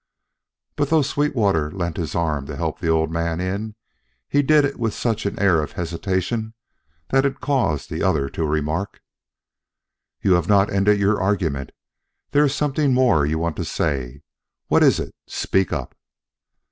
But though Sweetwater lent his arm to help the old man in, he did it with such an air of hesitation that it caused the other to remark: "You have not ended your argument. There is something more you want to say. What is it? Speak up."